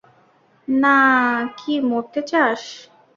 না-কি মরতে চাস?